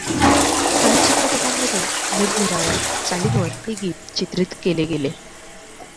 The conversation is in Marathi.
काही चित्रपटांमध्ये निरनिराळ्या चालींवर हे गीत चित्रित केले गेले.